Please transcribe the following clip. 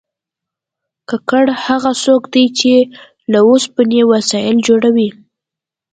ګګر هغه څوک دی چې له اوسپنې وسایل جوړوي